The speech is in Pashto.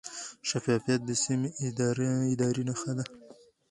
شفافیت د سمې ادارې نښه ده.